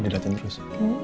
di latin terus